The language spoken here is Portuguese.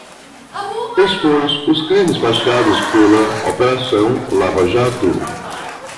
Expôs os crimes praticados pela operação Lava Jato